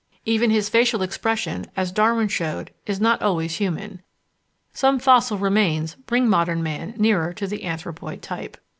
Even his facial expression, as Darwin showed, is not always human. Some fossil remains bring modern man nearer the anthropoid type.